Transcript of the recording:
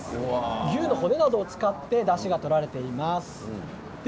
牛の骨などを使ってだしなどが取られています。